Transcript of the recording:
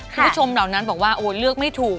คุณผู้ชมเหล่านั้นบอกว่าโอ้เลือกไม่ถูก